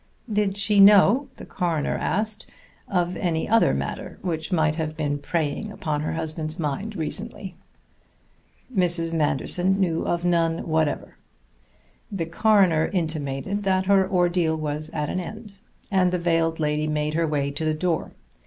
Did she know, the coroner asked, of any other matter which might have been preying upon her husband's mind recently? Mrs. Manderson knew of none whatever. The coroner intimated that her ordeal was at an end, and the veiled lady made her way to the door.